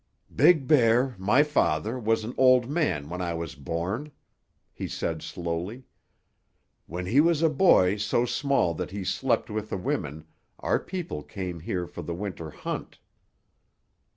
"Big Bear, my father, was an old man when I was born," he said slowly. "When he was a boy so small that he slept with the women, our people came here for the Winter hunt."